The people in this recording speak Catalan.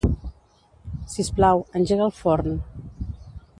Sisplau, engega el forn.